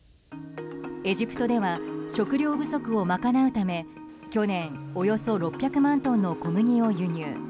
エジプトでは食糧不足を賄うため去年およそ６００万トンの小麦を輸入。